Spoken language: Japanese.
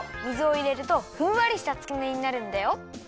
水をいれるとふんわりしたつくねになるんだよ。